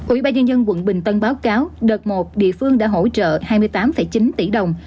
ủy ban nhân dân quận bình tân báo cáo đợt một địa phương đã hỗ trợ hai mươi tám chín tỷ đồng